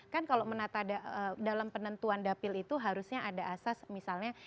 kan kalau menata dalam penentuan dapil itu harusnya ada asas misalnya